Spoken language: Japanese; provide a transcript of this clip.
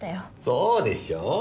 そうでしょう？